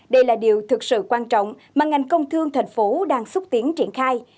đây là điều thực sự quan trọng mà ngành công thương thành phố đang xúc tiến triển khai